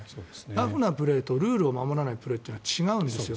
ラフなプレーとルールを守らないプレーは違うんですよ。